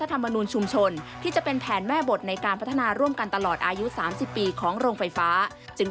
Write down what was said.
คนส่วนใหญ่เขาโอเคอ่ะแล้วทำไมไม่มองคนส่วนใหญ่บ้าง